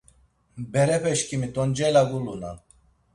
Berepeşkimi t̆oncela gulunan.